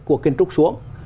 của kiến trúc xuống